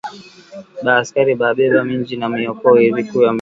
Ba askari bari beba minji na mioko iri kuya mu mashamba